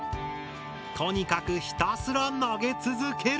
とにかくひたすら投げ続ける。